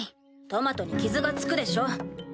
トマトに傷が付くでしょ。